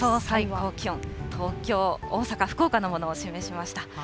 最高気温、東京、大阪、福岡のものを示しました。